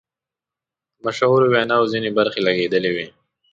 د مشهورو ویناوو ځینې برخې لګیدلې وې.